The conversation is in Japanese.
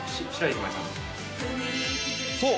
そう！